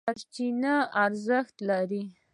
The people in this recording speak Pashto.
سرچینې ارزښت لري.